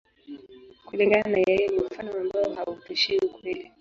Kulingana na yeye, ni mfano ambao hautoshei ukweli.